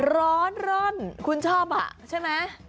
ร้อนคุณชอบอ่ะใช่ไหม